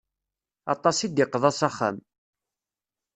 Aṭas i d-iqḍa s axxam.